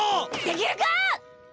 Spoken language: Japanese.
できるかっ！